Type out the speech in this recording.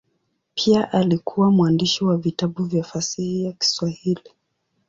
Pia alikuwa mwandishi wa vitabu vya fasihi ya Kiswahili.